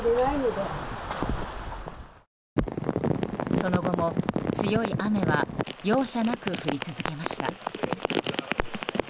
その後も、強い雨は容赦なく降り続けました。